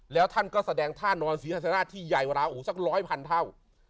แล้วธนก็แสดงท่านอนศิษณาทีใหญ่ราหูสักร้อยพันเท่า